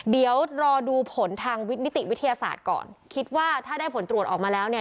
เดี๋ยวรอดูผลทางวินิติวิทยาศาสตร์ก่อนคิดว่าถ้าได้ผลตรวจออกมาแล้วเนี่ย